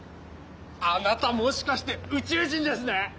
あなたもしかして宇宙人ですね！？